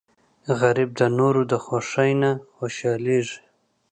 غریب د نورو د خوښۍ نه خوشحالېږي